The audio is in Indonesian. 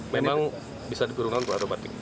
memang bisa dikurungkan ke akrobatik